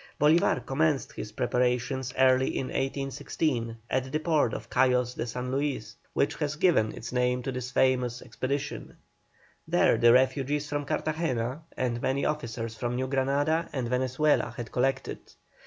Bolívar commenced his preparations early in 1816, at the port of Cayos de San Luis, which has given its name to this famous expedition. There the refugees from Cartagena, and many officers from New Granada and Venezuela had collected.